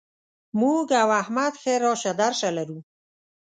موږ او احمد ښه راشه درشه لرو.